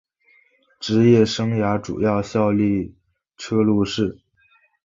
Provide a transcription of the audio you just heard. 职业生涯主要效力车路士。